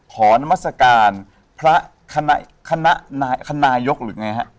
นามัศกาลพระคณะนายกหรือไงฮะ